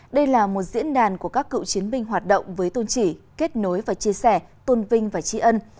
đây là một diễn đàn của các cựu chiến binh hoạt động với tôn chỉ kết nối và chia sẻ tôn vinh và tri ân